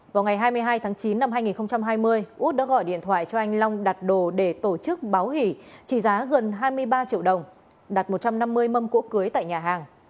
vào ngày hai mươi hai tháng chín năm hai nghìn hai mươi út đã gọi điện thoại cho anh long đặt đồ để tổ chức báo hỉ trị giá gần hai mươi ba triệu đồng đặt một trăm năm mươi mâm cỗ cưới tại nhà hàng